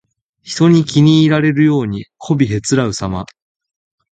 人に気に入られるようにこびへつらうさま。